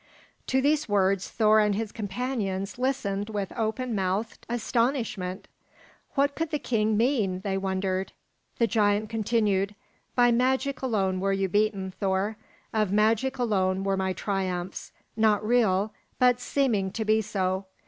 To these words Thor and his companions listened with open mouthed astonishment. What could the king mean, they wondered? The giant continued: "By magic alone were you beaten, Thor. Of magic alone were my triumphs, not real, but seeming to be so.